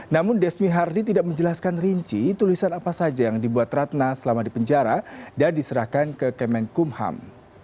namun desmi hardi tidak menjelaskan rinci tulisan apa saja yang dibuat ratna selama di penjara dan diserahkan ke kemenkumham